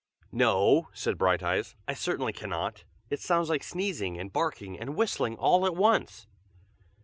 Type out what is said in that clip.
"No!" said Brighteyes. "I certainly cannot. It sounds like sneezing and barking and whistling all at once."